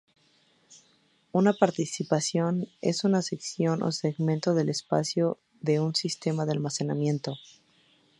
Una partición es una sección o segmento del espacio de un sistema de almacenamiento.